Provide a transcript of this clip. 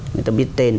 người ta biết tên